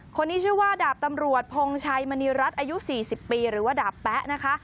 คนนี้ชื่อว่าดาบตำรวจพงชัยมณีรัฐอายุ๔๐ปีหรือว่าดาบแป๊ะนะคะ